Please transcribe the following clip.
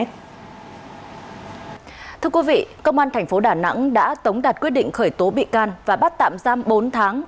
thưa quý vị công an thành phố đà nẵng đã tống đạt quyết định khởi tố bị can và bắt tạm giam bốn tháng